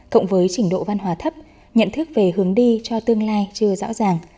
cộng với trình độ văn hóa thấp nhận thức về hướng đi cho tương lai chưa rõ ràng